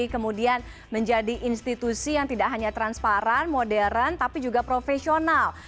kemudian menjadi institusi yang tidak hanya transparan modern tapi juga profesional